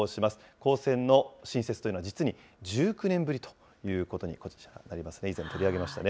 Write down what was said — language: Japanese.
高専の新設というのは実に１９年ぶりということにこちら、なりますね、以前、取り上げましたね。